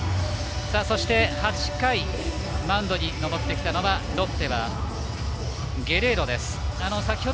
８回マウンドに上ってきたのはロッテはゲレーロです。